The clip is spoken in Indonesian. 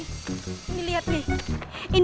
ini pasti orang suruhnya pak muhyiddin ya